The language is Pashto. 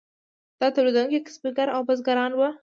دا تولیدونکي کسبګر او بزګران وو.